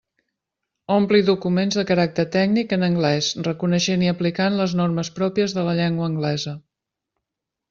Ompli documents de caràcter tècnic en anglés reconeixent i aplicant les normes pròpies de la llengua anglesa.